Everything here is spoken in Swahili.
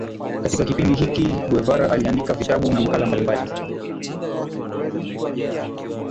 Katika kipindi hiki Guevara aliandika vitabu na makala mbalimbali